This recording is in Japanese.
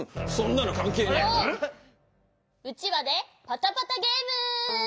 うちわでパタパタゲーム！